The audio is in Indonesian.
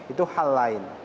itu hal lain